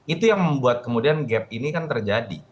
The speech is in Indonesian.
itu yang membuat kemudian gap ini kan terjadi